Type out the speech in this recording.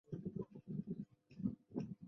老挝王国是越南战争时交战国的秘密战区。